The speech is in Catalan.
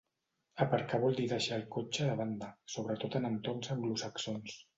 Aparcar vol dir deixar el cotxe de banda, sobretot en entorns anglosaxons.